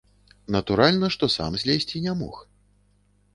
Натуральна, што сам злезці не мог.